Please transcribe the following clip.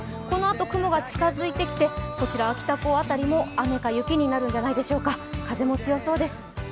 このあと雲が近づいてきて秋田港辺りも雨か雪になるんじゃないでしょうか、風も強そうです。